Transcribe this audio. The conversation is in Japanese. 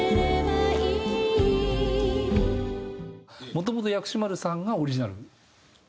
もともと薬師丸さんがオリジナル。